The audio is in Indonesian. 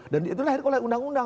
dan itu lahirkan oleh undang undang